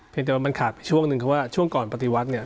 เพียงแต่ว่ามันขาดช่วงหนึ่งเพราะว่าช่วงก่อนปฏิวัตรเนี่ย